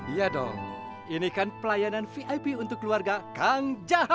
iya dong ini kan pelayanan vip untuk keluarga kang ja